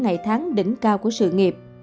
ngày tháng đỉnh cao của sự nghiệp